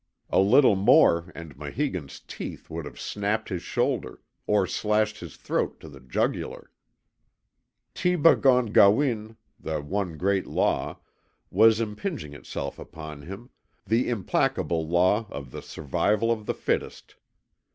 A little more and Maheegun's teeth would have snapped his shoulder, or slashed his throat to the jugular. TEBAH GONE GAWIN (the One Great Law) was impinging itself upon him, the implacable law of the survival of the fittest.